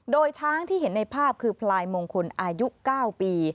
โดยช้างที่เห็นในภาพคือพลายมงคลอายุ๙ปี